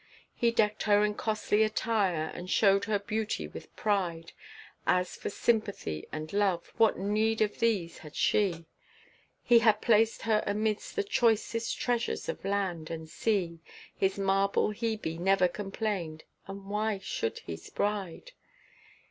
He decked her in costly attire, and showed her beauty with pride As for sympathy and love, what need of these had she? He had placed her amidst the choicest treasures of land and sea, His marble Hebe never complained, and why should his bride?